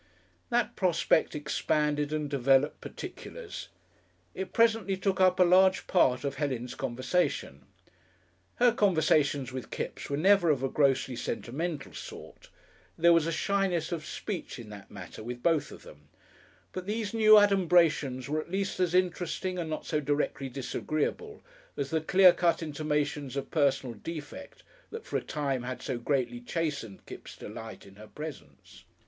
That prospect expanded and developed particulars. It presently took up a large part of Helen's conversation. Her conversations with Kipps were never of a grossly sentimental sort; there was a shyness of speech in that matter with both of them, but these new adumbrations were at least as interesting and not so directly disagreeable as the clear cut intimations of personal defect that for a time had so greatly chastened Kipps' delight in her presence.